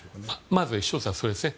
まず１つはそれですね。